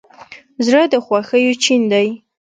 زړه د خوښیو چین دی.